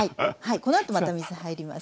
このあとまた水入ります。